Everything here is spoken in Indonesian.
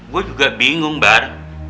gua juga bingung bar